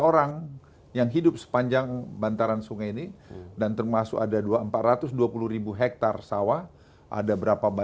orang yang hidup sepanjang bantaran sungai ini dan termasuk ada dua empat ratus dua puluh ribu hektare sawah ada berapa